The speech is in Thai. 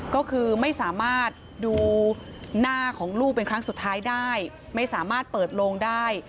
ก็คือไม่สามารถดูหน้าของลูกเป็นครั้งสุดท้ายได้ไม่สามารถเปิดโลงได้